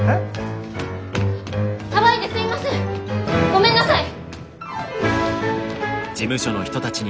ごめんなさい！